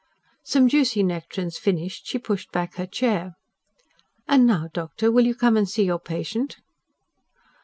Some juicy nectarines finished, she pushed back her chair. "And now, doctor, will you come and see your patient?"